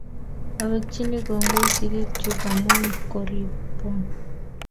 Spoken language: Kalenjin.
Awekchini kongoi sigik chuk amun koripon